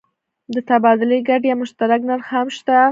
د تبادلې ګډ یا مشترک نرخ هم شته.